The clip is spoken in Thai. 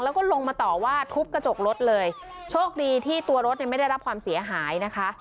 แล้วก็ลงมาต่อว่าทุบกระจกรถเลยโชคดีที่ตัวรถเนี่ยไม่ได้รับความเสียหายนะคะ